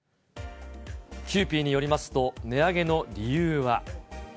キユーピーによりますと、値上げの理由は。